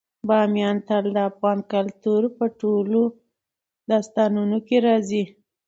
بامیان تل د افغان کلتور په ټولو داستانونو کې راځي.